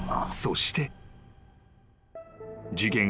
そして］